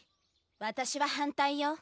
私は反対よ。